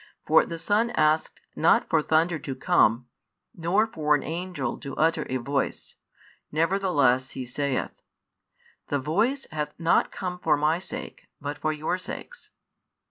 For the Son asked not for thunder to come, nor for an angel to utter a voice, nevertheless He saith: The Voice hath not come for My sake, but for your sakes.